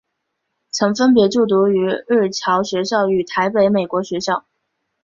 曾分别就读日侨学校与台北美国学校。